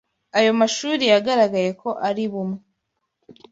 Ayo mashuri yagaragaye ko ari bumwe